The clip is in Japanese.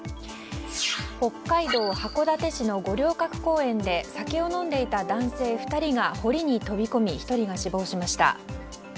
北海道函館市の五稜郭公園で酒を飲んでいた男性２人が堀に飛び込み１人が死亡しました。